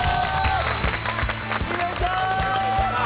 よいしょー！